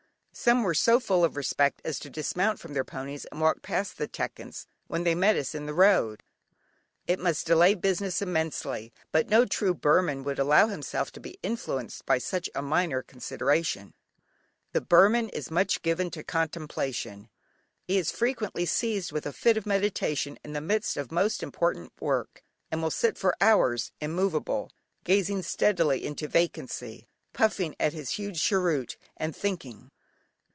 Some were so full of respect as to dismount from their ponies and walk past the "Thekins" when they met us in the road. It must delay business immensely, but no true Burman would allow himself to be influenced by such a minor consideration. The Burman is much given to contemplation. He is frequently seized with a fit of meditation in the midst of most important work, and will sit for hours, immovable, gazing steadily into vacancy, puffing at his huge cheroot, and thinking.